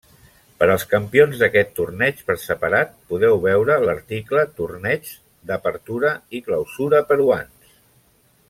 Per als campions d'aquests torneigs per separat podeu veure l'article Torneigs d'Apertura i Clausura peruans.